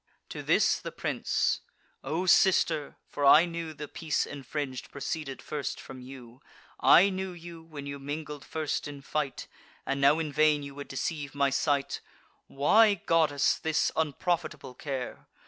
To this, the prince: "O sister—for I knew The peace infring'd proceeded first from you; I knew you, when you mingled first in fight; And now in vain you would deceive my sight— Why, goddess, this unprofitable care?